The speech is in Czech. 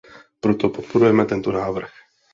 Proto podporujeme tento návrh.